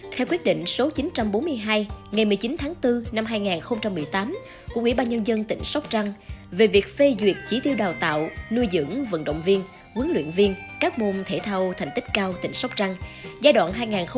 theo quyết định số chín trăm bốn mươi hai ngày một mươi chín tháng bốn năm hai nghìn một mươi tám của quỹ ba nhân dân tỉnh sóc trăng về việc phê duyệt chỉ tiêu đào tạo nuôi dưỡng vận động viên huấn luyện viên các môn thể thao thành tích cao tỉnh sóc trăng giai đoạn hai nghìn một mươi sáu hai nghìn hai mươi